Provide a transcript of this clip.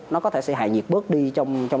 nó có thể sẽ hạ nhiệt bớt đi trong